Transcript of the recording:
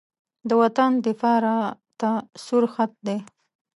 د وطن دفاع راته سور خط دی.